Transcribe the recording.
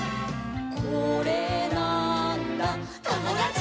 「これなーんだ『ともだち！』」